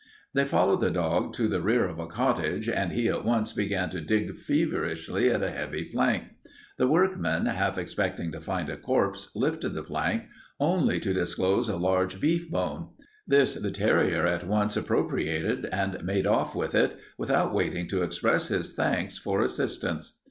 "They followed the dog to the rear of a cottage, and he at once began to dig feverishly at a heavy plank. The workmen, half expecting to find a corpse, lifted the plank, only to disclose a large beef bone. This the terrier at once appropriated and made off with it, without waiting to express his thanks for assistance."